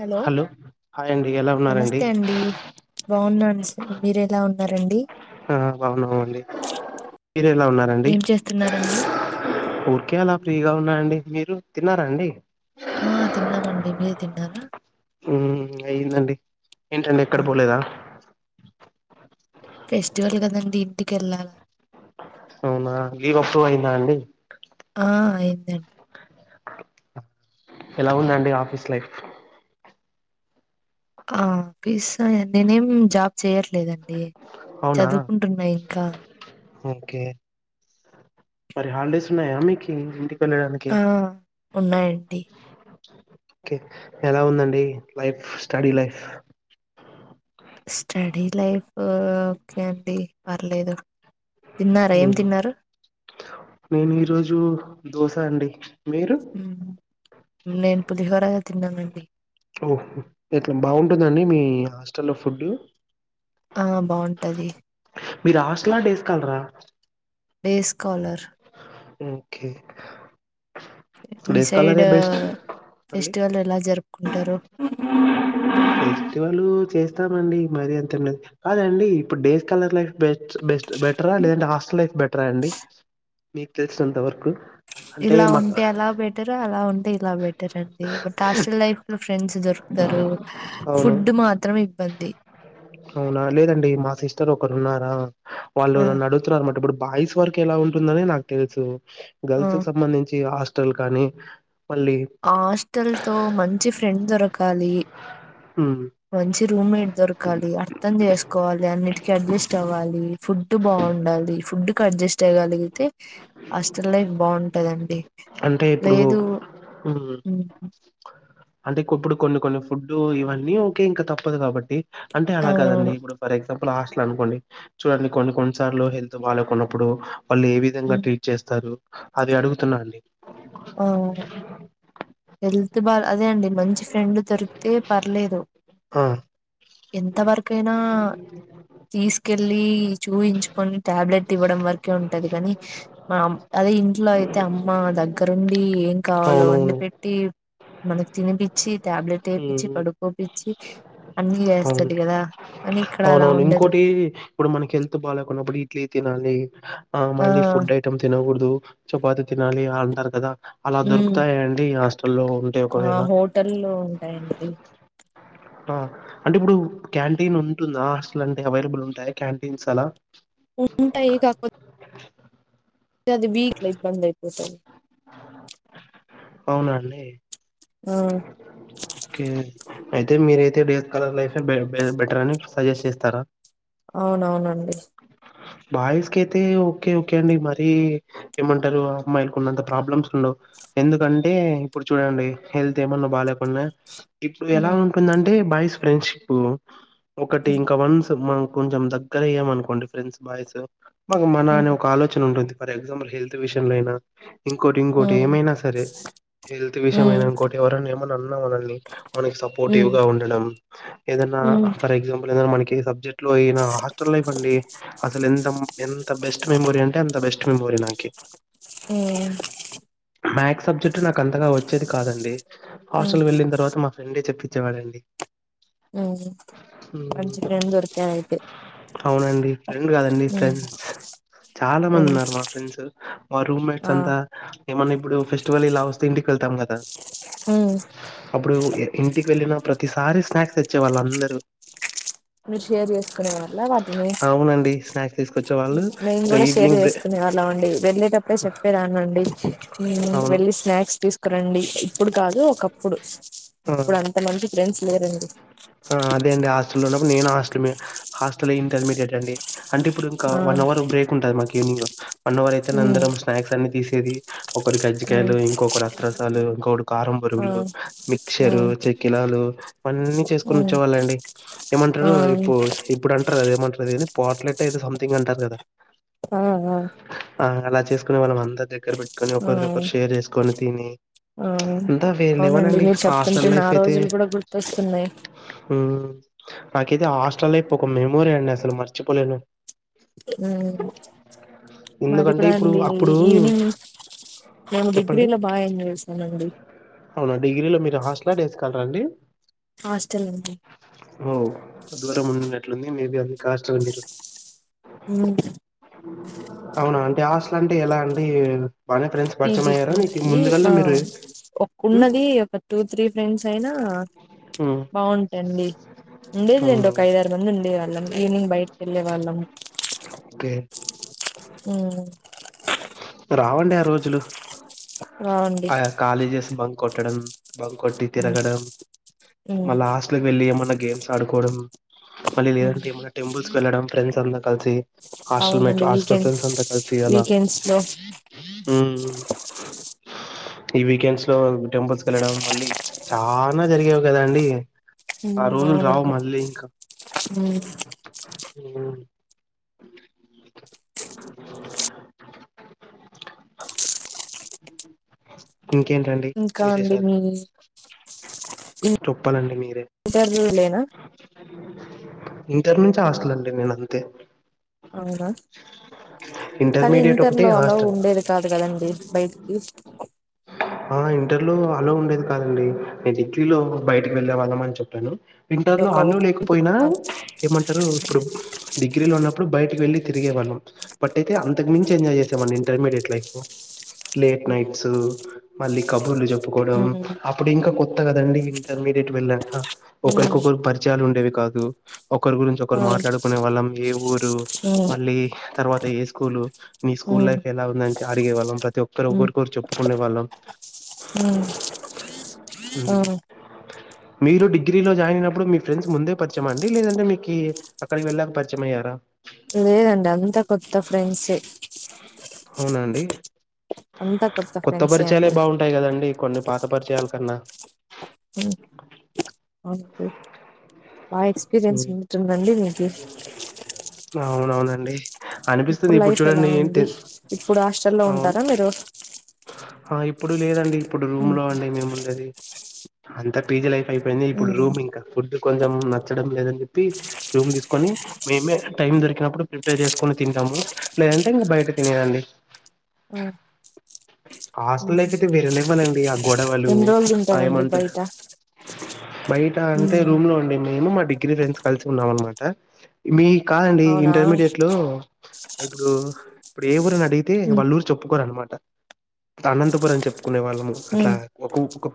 Hello hi అండి ఎలా ఉన్నారండి నమస్తే అండి బాగున్నా మీరు ఎలా ఉన్నారండి ఆ బాగున్నామండి మీరు ఎలా ఉన్నారండి ఏం చేస్తున్నారండి ఊరికె అలా ఫ్రీగా ఉన్నా అండి మీరు తిన్నారా అండి ఆ తిన్నామండి మీరు తిన్నారా ఊ అయ్యిందండి ఏంటండి ఎక్కడ ఆ పోలేదా ఫెస్టివల్ కదండి ఇంటికెల్లాల అవునా లీవ్ అప్రూ అయ్యిందా అండి ఆ అయిందన్ ఎలా ఉందండి ఆఫీస్ లైఫ్ ఆఫీసా నేనేం జాబ్ చేయట్లేదండి అవునా చదువుకుంటున్నా ఇంకా ఓకే మరి హాలిడేస్ ఉన్నాయా మీకి ఇంటి ఆ ఉన్నాయండి ఒకే ఎలా ఉందండి life study life study life హ్ కే అండి పర్లేదు తిన్నారా హు ఏం తిన్నారు నేను ఈ రోజు దోశ అండి మీరు హ్మ్ నేను పులిహోర తిన్నానండీ ఓహొ ఎట్లా బాగుంటుదండి మీ హాస్టల్లో ఫుడ్ ఆ బాగుంటది మీరు హాస్టల్ ఆ డేస్ కాలరా డేస్ కాలర్ మ్ ఓకే ఇప్పుడు మీ డేస్ సైడ్ కలరే బెస్ట్ అండి ఫెస్టివల్ ఎలా జరుపుకుంటారు ఫెస్టివల్ చేస్తామండి. మరి అంత ఉండద్ కాదండి, ఇప్పుడు days scholar life best best బెటరా, లేదంటే హాస్టల్ లైఫ్ బెటరా అండి మీకు తెలిసినంత వరకు. అంటే ఇలా మాకు ఉంటే అలా బెటర్, అలా ఉంటే ఇలా బెటర్ అండి, బట్ హాస్టల్ లైఫ్ లో ఫ్రెండ్స్ దొరుకుతారు. అవును ఫుడ్ మాత్రం ఇబ్బంది అవునా లేదండి మా సిస్టర్ ఒక ఉన్నారా వాళ్ళు ఆ నన్ను అడుగుతున్నార్ న్ మాట్ ఇప్పుడు బాయ్స్ వరకు ఎలా ఉంటుందని నాకు తెలుసు ఆ గర్ల్స్కి సంబంధించి ఆ లు కానీ మళ్ళీ ఆ హాస్టల్ తో మంచి ఫ్రెండ్ దొరకాలి ఉమ్, మంచి రూమ్ మేట్ దొరకాలి అర్థం చేసుకోవాలి అన్నిటికి అడ్జస్ట్ అవ్వాలి ఫుడ్ బాగుండాలి ఫుడ్ అడ్జస్ట్ అయగలిగితే హస్టల్ లైఫ్ బాగుంటాదండి లేదు మ్ అంటే ఇప్పుడు కొన్ని కొన్ని ఫుడ్డు ఇవన్నీ ఓకే ఇంకా తప్పదు కాబట్టి అంటే అలా కాదండి అవునవును ఇప్పుడు ఫర్ ఎగ్జాంపుల్ లాస్ట్ల అనుకోండి చూడండి కొన్ని కొన్నిసార్లు హెల్త్ బాగా కొ ఇప్పుడు వాళ్ళు ఏ విధంగా ట్రీట్ చేస్తారు అది అడుగుతున్నా అండి ఆ హెల్త్ బాగా అదే అండి మంచి ఫ్రెండ్ దొరికితే పర్లేదు ఆ ఎంతవరకైనా తీసుకెళ్ళి చూయించుకుని టాబ్లెట్ ఇవ్వడం వరకే ఉంటది కాని మామ్ అదే ఇంట్లో అయితే అమ్మ దగ్ దగ్గరుండి ఏంకావాలో అవునవును వండిపెట్టీ మనకి తినిపిచ్చి టాబ్లెట్ ఏపించి హ్మ్ పడుకోపిచ్చి అన్నీ అవును చేస్తది గదా కని ఇక్కడ అలా అవునవును ఉండదు ఇంకోటి కాని ఆ మళ్ళీ ఫుడ్ ఐటెమ్ తినగూడదు చపాతి తినాలి అ అంటారు కదా అలా ఉమ్ దొరుకుతాయా అండి హాస్టల్లో ఉంటే ఆ ఒకవేళ హోటల్లో [unintelligible] ఆ అంటే ఇప్పుడు క్యాంటీన్ ఉంటుందా హాస్టల్ అంటే అవైలబుల్ ఉంటాయా క్యాంటీన్స్ అలా ఉంటాయి కాకపోతే అది వీక్లో ఇబ్బందైతే [unintelligible] అవ్నా అండి ఆ కే అయితే మీరయితే డే కలర్ లైఫే బెటర్ అని సజెస్ట్ చేస్తారా అవునవునండి బాయ్స్ క అయితే ఓకే ఓకే అండి మర ఏమంటారు అమ్మాయిలులకు ఉన్నంత ప్రాబ్లమ్స్ ఉండవు ఎందుకంటే ఇప్పుడు చూడండి హెల్త్ ఏమన్నా బాగాలేకుంన్నా ఇప్పుడు ఎలా ఉమ్ ఉంటుందంటే బయ ఫ్రెండ్షిప్ ఒకటి ఉమ్ ఇంకా వన్స్ మ కొంచెం దగ్గర అయ్యామ అనుకోండి ఫ్రెండ్స్ బాయ్స్ మాకు మన ఉమ్ అని ఒక ఆలోచన ఉంటుంది ఫర్ ఎగ్జాంపుల్ హెల్త్ విషయంలో అయినా ఇంకోటి ఇంకోటి ఉమ్ ఏమైనా సరే హెల్త్ హ్మ్ విషయంనా టి ఎవర ఏని మన సపోర్టివ్ హ్మ్ గా ఉండ ఏద హ్మ్ ఫర్ ఎగ్జాంపుల్ మన ఇ సబ్జెట్ హాస్టల్ లై అండి అస ఎ ఎంత బెస్ట్ మెమోరీ అంటే అంత బెస్ట్ మెమోరీ నా హ్మ్ సబ్జెక్టు నాకు అంతగా వచ్చేది కాదండి డి హ్మ్ హాస్టల్ వెళ్ళిన తర్వాత మా ఫ్రెండ్ చెప్పింది ఇచ్చేవాడండి హ్మ్ హు మంచి ఫ్రెండ్ దొరికారయితే అవునండి ఫ్రెండ్ కాదండి హ్మ్ ఫ్రెండ్స్, చాలా మంది ఫ్రెండ్స్ ఉన్నారు మా ఫ్రెండ్స్. మా రూమ్ ఆ మేట్స్ అంతా, ఏమన్నా ఇప్పుడు ఫెస్టివల్ ఇలా వస్తే ఇంటికి వెళ్తాం కదా హ్మ్ అప్పుడు ఎ ఇంటికి వెళ్ళిన ప్రతిసారి స్నాక్స్ తెచ్చే వాళ్ళు అందరూ మీరు షేర్ చేసుకునే వాల్లా వాటిని, అవునండి స్నాక్స్ తీసుకొచ్చే వాళ్ళు నేను ఇంకా కూడా షేర్ ఈవినింగ్ బ్రే చేసుకునే వాళ్ళం అండి, వెళ్ళేటప్పుడె చెప్పే దాన్ని అండి అవును వెళ్ళి స్నాక్స్ తీస్. ఒక రండి ఇప్పుడు కాదు ఒకప్పుడు ఆ ఇప్పుడు అంత మంచి ఫ్రెండ్స్ లేరండి ఆ అదే అండి హాస్టల్లో ఉన్నప్పుడు నేను హాస్టల్ మే హాస్టల్ల్లో ఇంటర్మీడియట్ అండి. అంటే ఇప్పుడు ఇంకా ఆ వన్ అవర్ బ్రేక్ ఉంటది మాక్ ఈవీనింగ్. హ్ వనవర్ అయితేనే హ్మ్ అందరం స్నాక్స్ అన్ని తీసేది ఒకడు హ్మ్ కజ్జికాయలు ఇంకొకడు అత్రసాలు గోడు కారం ఆ బోరుగులు మిక్చర్ హ్మ్ చెక్కిలాలు అన్నీ చేస్ హ్మ్ కూర్చోవాలండీ ఆ ఏమంటారు ఇప్పుడు ఇప్పుడు అంటారు కదా ఏమంటారు పోట్లెట్ అయితే సంథింగ్ అంటారు కదా ఆ ఆ అలా చేసుకునే వాళ్ళం అంద్ అంత దగ్గర పెట్టుకొని ఆ ఆ ఒకరిది, ఒకరు షేర్ చేసుకొని తిని, ఆ అంతా వేర్ లెవెల్ అవునండి అండి మీరు చెప్తుంటే హాస్టల్ నా లైఫ్ అయితే. రోజులు కూడా గుర్తొస్తున్నాయి హూ నాకైతే ఆ హాస్టల్ లైఫ్ ఒక మెమోరీ అండి అసలు మర్చిపోలేను హ్మ్ మాది ఎందుకంటే కూడ ఇప్పుడు అండి అప్పుడు ఈవినింగ్ నేను చెప్పండి డిగ్రీలో బా ఎంజాయ్ చేసానండి అవునా డిగ్రీలో మీరు హాస్టలా డేస్ కాలరాఅండి హాస్టల్ అండి దూరం ఉనట్లుంది మేబీ అందికీ హాస్టల్ మీరు హ్మ్ అవునా అంటే హాస్టల్ అంటే ఎలా అండి బానే ఫ్రెండ్స్ పరిచయం పీజీ అయ్యారా నీకు పజ ముందుగాల్నే మా మీరు మ్మ్ ఒన్నది ఒక టూ త్రీ ఫ్రెండ్స్ అయినా మ్మ్ బాగుంటుంది ఉండేది లేండి ఒక అవునవును ఐద ఆరు మంది ఉండే వాళ్ళం ఈవినింగ్ బయటకి వెళ్ళే వాళ్ళము ఓకే రావండి ఆ రోజులు బాగుంది ఆ కాలేజెస్ బం కొట్టడం బంక్ కొట్టి ఉమ్ తిరగడం మళ్ళ హాస్ట్కి వెళ్లి ఏమన్న గేమ్స్ ఆ కొడం మళ్ళీ ఉమ్ లేదంటే ఏమన్నా టెంపుల్స్ వెళ్ళడం ఫ్రండ్ అంద కలిసి హాస్టల్ మ అవునండి హాస్టల్ వీకెండ్స్ ఫ్రెండ్స్ అంత కలిసి అలా వీకెండ్స్ లో ఈ వీకెండ్స్ లో టెంపుల్స్ క వెళ్ళడం మళ్ళీ చాలనా జరిగే కదా అండి ఉమ్ ఆ రోజులు రావు అవునండి మళ్ళీ ఇంకా ఉమ్ [unintelligible] ఇంకా అండి విశేషాలు మీ చెప్పాలండి మీరే ఇంటర్వ్యూ లేనా ఇంటర్ నుంచి హాస్ల అండి నేను అంతే అవునా కానీ ఇంటర్మీడియట్ ఒకటి ఇంటర్లో అలా హాస్టల్ ఉండేది కాదు కదండి బయటికి లో అలో ఉండేది కాదండి నేను ఇంటిలో బయటికి వెళ్ళే వాళ్ళం అని చెప్పాను ఇంటర్ లో ఒక అల్లు లేకపోయినా ఏమంటారు ఇప్పుడు డిగ్రీలో ఉన్నప్పుడు బయటకి వెళ్ళి తిగివళ్ళం పట్ అయితే అంతకు మించ్ ఎంజాయ్ చేసే వాన్ నేన్ ఇంటర్మీడియట్ లైఫ్ లేట్ నైట్స్ మళ్ళ కబులు చెప్పు ప్పుకోవడం అప్పుడు ఇంకా కొ కదండీ ఇంటర్మీడియట్ వెళ్లాక ఒకరికొకరి పరియాలు ఉండే వి కాదు ఒకరి గురించి ఒకరు మాట్లాడుకునే వాళ్ళం, ఏ ఊరు, మళ్ళీ తర్వాత ఏ స్కూల్, మీ స్కూల్ లైఫ్, ఎలా ఉందని, అడిగేవాళ్ళం ప్రతి ఒక్కరు ఒకరికరు చెప్పుకునే వాళ్ళం. ఆ మీరు డిగ్రీలో జాయిన్ అయినప్పుడు మీ ఫ్రెండ్స్ ముందే పరిచయం ఆ అండి, లేదంటే మీకి అక్కడికి వెళ్ళాక పరిచయం అయ్యారా. లేదండి అంత కొత్త ఫ్రెండ్స్ ఏ అవునా అండి కొత్త పరిచయాలే బాగుంటాయి కదండి, కొన్ని పాత పరిచయాల కన్నా. హ్మ్ అవునండి బాగా ఎక్స్పీరియన్స్ హ్మ్. ఉన్నట్ ఉందండి, మీకి అవునవునండి అనిపిస్తుంది ఇప్పుడు లైఫ్ ఎలా చూడండి ఏంటి ఉంది, ఇప్పుడు హాస్టల్ల్లో అవును ఉంటారా మీరు. ఆ ఇప్పుడు లేదండి ఇప్పుడు రూమ్ ఉమ్, లో అండి మేము ఉండేది అంత పీజీ లై అయిపోయింది ఇప్పుడు ఉమ్, రూమ్ ఇంకా ఫుడ్ కొంచెం నచ్చడం లేదని చెప్పి రూమ్ తీస్కొని, మేమే టైమ్ దొరికినప్పుడు ప్రిపేర్ చేస్కొని తింటాము, లేదంటే ఇంగ్ బయట తినేదండి. అ హాస్టల్ లైఫ్ అయితే వేరే లెవెల్ అండి ఆ గొడవలు, ఎన్ని రోజులు ఆ తింటారండి ఏమంటర్ బయట బయట అంటే ఉమ్, రూమ్ లో అండి మేము మా డిగ్రీ ఫ్రెండ్స్ కలిసి ఉన్నామ్ అనమాట్. ట మీ కాదండి అవునా ఇంటర్మీడియట్లో ఇప్పుడు ఇప్పుడు ఏ ఊర్ నడ్ డిగితే ఉమ్, వాళ్ళూర్ చెప్పుకోర్ అనమాట్ ట అనంతపుర్ అని చెప్పుకునే వాళ్ళము అట్లా ఉమ్, ఒక ఉ స్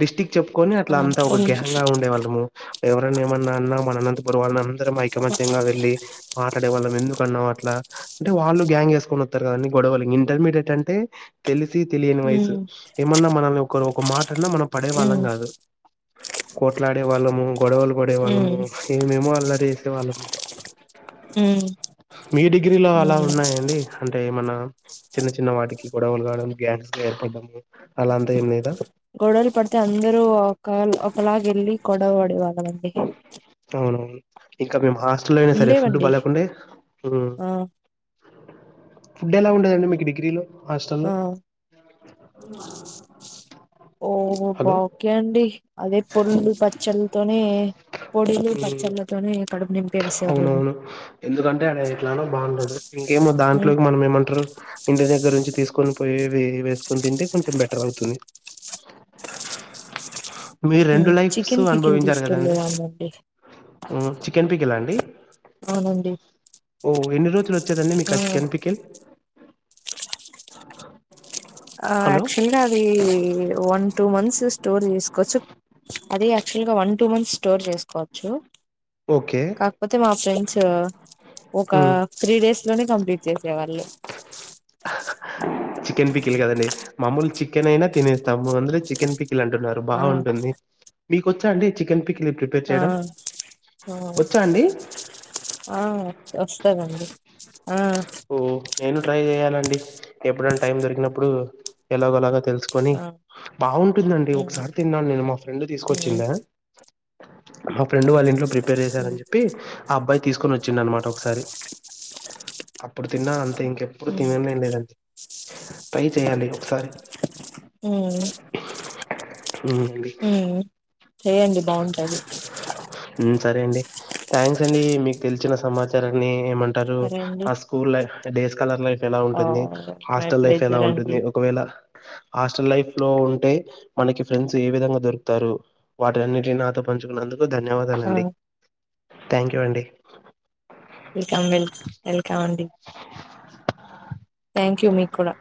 డిస్టిక్ చెప్పుకొని అట్లా ఆ, అంతా ఒక ఉమ్, గ్యాంగ్ గా ఉండేవాళ్ళము ఏవరన్నా ఏమన్నా అన్నా మన అనంతపుర్ వాళ్ళ అన్ అందరం ఐక్యమత్యంగా వెళ్ళి మాట్లాడే వాళ్ళం ఎందుకు అన్నావ్ అట్లా అంటే వాళ్ళు గ్యాంగ్ వేస్కోనోత్తర్ గద అన్ని గొడవలు ఇంటర్మీడియట్ అంటే తెలిసి తెలియని ఉమ్, వయసు ఏమన్నా మనల్ని ఒకరు ఒక మాట అన్నా మనమ్ పడే వాళ్ళమ్ ఉమ్, కాదు కోట్లాడే వాళ్ళము గొడవలు పడే ఉమ్. వాళ్ళము ఏమేమో అల్లరి చేసే వాళ్ళమ్ హ్మ్ మీ డిగ్రీలో అలా ఉన్నాయండి అంటే మన చిన్న చిన్న వాటికి గొడవలు కావడం గ్యాంగ్స్ గా ఏర్పడమ్ అలా అంతా ఏంలేదా గొడవలు పడతే అందరూ ఒకాల్ ఒక్ అలాగెళ్ళి గొడవ వడేవాళ్ళమండి అవునవును ఇంక మేము హాస్ స్టలైన సరే ఫుడ్ బా ఉండేవండి లేకుంటే హ్మ్ ఆ ఫుడ్ ఎలా ఉండేదండి మీకు డిగ్రీలో హాస్టల్లో ఆ ఓ బా హలో ఒకెయండి అదే పొల్లు పచ్చళ్ళతోనే పొడిలు ఉమ్, పచ్చళ్ళతోనే క అవునవును ఎందుకంటే అడ ఎట్లానో బావుండదు ఇంకేమో ఉమ్ దాంట్లోకి మనం ఏమంట్రు ఇంటి దగ్గర నుంచి తీస్కొని పోయేవి ఇవేస్కొని తింటే కొంచెం బెటర్ అవుతుంది మీరు రెండు హ్మ్ లైఫ్స్ చికెన్ పికిల్ అనుభవించారు కదండి తీసుకెళ్లేదాన్నండి ఉమ్, చికెన్ పికెలా అండి ఓ ఎన్ని రోజులు వచ్చేదండి మీకా ఆ చికెన్ పికెల్ ఆ హలో యాక్చువల్గా అది వన్ టూ మంత్స్ స్టోర్ చేస్కోచ్చు అది యాక్చువల్ గా వన్ టూ మంత్స్ స్టోర్ చేస్కోవచ్చు ఓకే కాకపోతే మా ఫ్రెండ్స్ ఒక హ్మ్ త్రీ డేస్ లోనే కంప్లీట్ చేసేవాళ్ళు చికెన్ పీకిలు కదండి మామూలు చె కన్నా తినస్తాము అంద చికన్ పి అంటున్నారు ఆ బాగుంటుంది మీకు కొచ్చా అండీ చికెన్ పక్ ఆ ఆ వచ్చా అండి ఆ వాస్ సరండి ఓ నేను ట్రై చెయాలండి ఎప్పుడైనా టైం దొరికినప్పుడు ఎలాగోలాగా తెలుసుకొని ఆ బాగుంటుందండి ఉమ్ ఒకసారి తిన్నాను నేను మా ఫ్రెండ్ తీసుకొచ్చిండ ఉమ్ హ ఫ్రెండ్ వాళ్ళ ఇంట్లో ప్రిపే చేశారని చెప్పి అబ్బాయి తీసుకొని వచ్చిండ అనమాట ఒకసారి అప్పుడు తిన్నానుంత అ ఇంకెప్పుడు ఉమ్ తినలే లేదండి ట్రై చేయాలి ఒకసారి ఉమ్ అండీ ఉమ్ ఉమ్ చేయండి బాగుంటది మ్మ్ సరే అండి థ్యాంక్ అండి మీకు తెలిసిన సమాచారాన్ని ఏమంటారు సరే అండి ఆ school life days scholar life ఎలా ఆ ఉంటుంది మై హాస్టల్ లైఫ్ ఎలా ప్లేజర్ అండి ఉంటుంది ఒకవేళ హాస్టల్ లైఫ్ లో ఉంటే మనకి ఫ్రెండ్స్ ఏ విధంగా దొరుకుతారు వాటి టన్నిటి నాతో పంచుకున్నందుకు ధన్యవాదాలు ఆ అండి థ్యాంక్ యూ అండి వెల్కమ్ వెల్ వెల్కం అండి థ్యాంక్ యూ మీకూడా